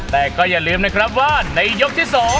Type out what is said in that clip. แต่ก็อย่าลืมนะครับว่าในยกที่๒